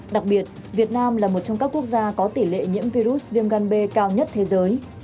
đặc biệt việt nam là một trong các quốc gia có tỷ lệ nhiễm virus viêm gan b cao nhất thế giới